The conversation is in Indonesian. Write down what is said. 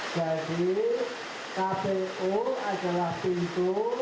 jadi kpu adalah pintu